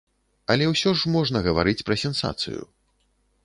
Але ўсё ж можна гаварыць пра сенсацыю.